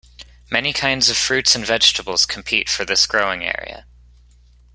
Many kinds of fruits and vegetables compete for this growing area.